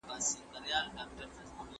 مجلس د خلګو ږغ څنګه اوري؟